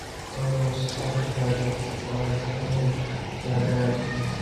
albert alifariki kwa ajari ya gari